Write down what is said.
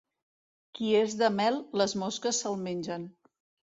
Qui és de mel, les mosques se'l mengen.